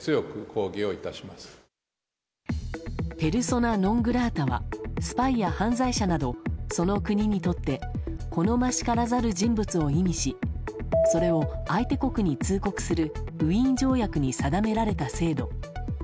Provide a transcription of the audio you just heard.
ペルソナ・ノン・グラータはスパイや犯罪者などその国にとって好ましからざる人物を意味しそれを相手国に通告するウィーン条約に定められた制度。